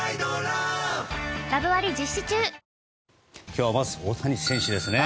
今日はまず大谷選手ですね。